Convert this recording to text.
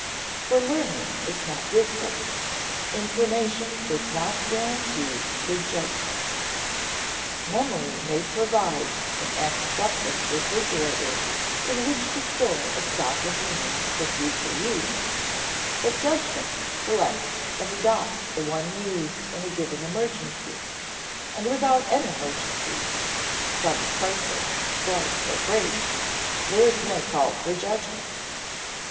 For learning is not wisdom; information does not guarantee good judgment. Memory may provide an antiseptic refrigerator in which to store a stock of meanings for future use, but judgment selects and adopts the one used in a given emergency and without an emergency (some crisis, slight or great) there is no call for judgment.